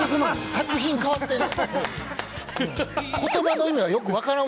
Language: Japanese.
作品変わってんねん。